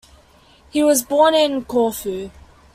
He was born in Corfu.